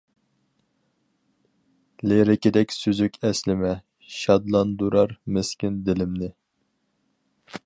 لىرىكىدەك سۈزۈك ئەسلىمە، شادلاندۇرار مىسكىن دىلىمنى.